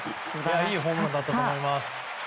いいホームランだったと思います。